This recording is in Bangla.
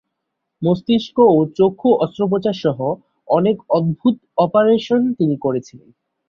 মস্তিষ্ক ও চক্ষু অস্ত্রোপচার সহ অনেক অদ্ভুত অপারেশন তিনি করেছিলেন।